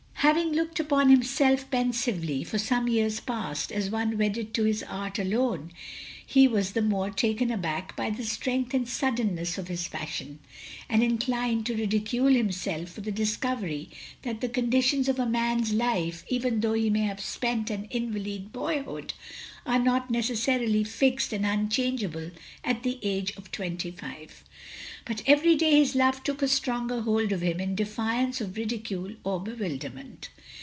Having looked upon himself, pensively, for some years past, as one wedded to his art alone, he was the more taken aback by the strength and suddenness of his passion ; and inclined to ridicule himself for the discovery that the conditions of a man's life — even though he may have spent an invalid boyhood — are not necessarily fixed and unchangeable at the age of twenty five; but every day his love took a stronger hold of him in defiance of ridicule or bewilderment.